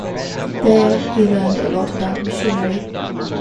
There he learned a lot about machinery.